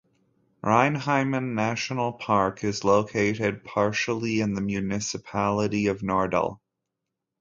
Reinheimen National Park is located partially in the municipality of Norddal.